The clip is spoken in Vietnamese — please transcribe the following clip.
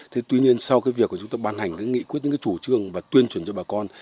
thế tuy nhiên sau cái việc mà chúng ta ban hành cái nghị quyết những cái chủ trương và tuyên truyền cho bà con